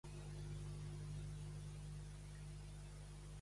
Quines altres construccions van ser possibles gràcies a Emília?